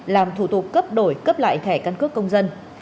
làm thủ tục cấp đổi cấp lại thẻ căn cước công dân